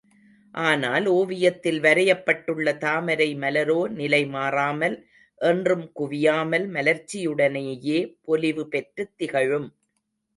ஆனால் ஓவியத்தில் வரையப்பட்டுள்ள தாமரை மலரோ நிலை மாறாமல் என்றும் குவியாமல் மலர்ச்சியுடனேயே பொலிவு பெற்றுத் திகழும்.